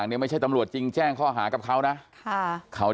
นี่เห็นมั้ย